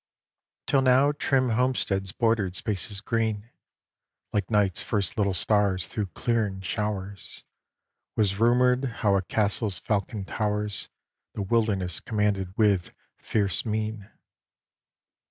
XIII Till now trim homesteads bordered spaces green, Like night's first little stars through clearing showers. Was rumoured how a castle's falcon towers The wilderness commanded with fierce mien.